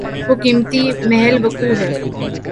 وہ قیمتی محل وقوع ہے۔